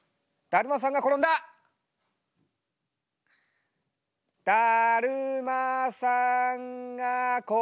だるまさんが転んだ！